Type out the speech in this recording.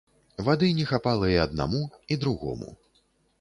Вады не хапала і аднаму, і другому.